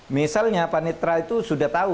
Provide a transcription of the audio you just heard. misalnya panitra itu sudah tahu